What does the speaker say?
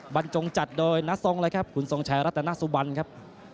บรรจงจัดโดยน้าทรงเลยครับคุณทรงชัยรัตนสุบันครับ